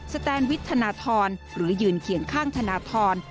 แตนวิทย์ธนทรหรือยืนเคียงข้างธนทร